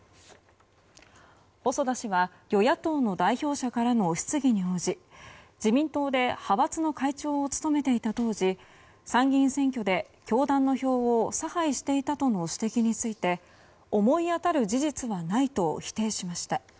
細田氏は、与野党の代表者からの質疑に応じ自民党で派閥の会長を務めていた当時参議院選挙で教団の票を差配していたとの指摘について思い当たる事実はないと否定しました。